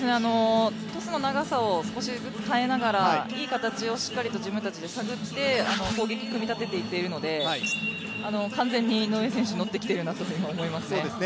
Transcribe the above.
トスの長さを少しずつ変えながらいい形をしっかりと自分たちで探って攻撃を組み立てていってるので完全に井上選手、乗ってきているなと思います。